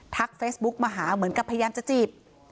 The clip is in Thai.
เฟซบุ๊กมาหาเหมือนกับพยายามจะจีบ